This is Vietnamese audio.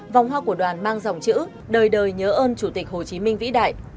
vòng hoa của đoàn mang dòng chữ đời đời nhớ ơn chủ tịch hồ chí minh vĩ đại